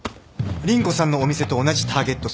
凛子さんのお店と同じターゲット層